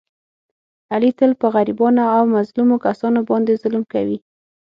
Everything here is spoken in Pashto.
علي تل په غریبانو او مظلومو کسانو باندې ظلم کوي.